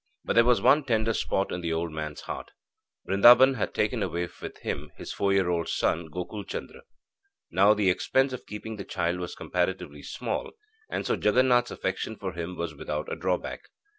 But there was one tender spot in the old man's heart. Brindaban had taken away with him his four year old son, Gokul Chandra. Now, the expense of keeping the child was comparatively small, and so Jaganath's affection for him was without a drawback.